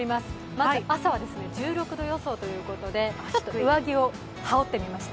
まずは朝は１６度予想ということでちょっと上着を羽織ってみました。